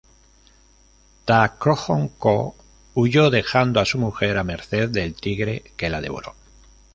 Ta Krohom-Koh huyó dejando a su mujer a merced del tigre, que la devoró.